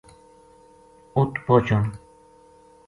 اُت پوہچن